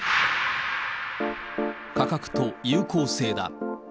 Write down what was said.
価格と有効性だ。